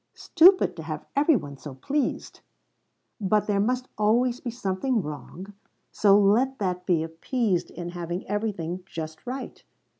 Stupid to have every one so pleased! But there must always be something wrong, so let that be appeased in having everything just right.